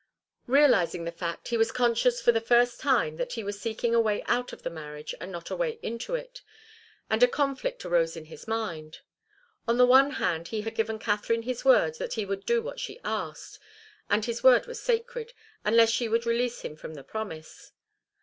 Realizing the fact, he was conscious for the first time that he was seeking a way out of the marriage and not a way into it, and a conflict arose in his mind. On the one hand he had given Katharine his word that he would do what she asked, and his word was sacred, unless she would release him from the promise.